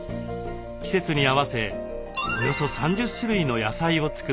季節に合わせおよそ３０種類の野菜を作っています。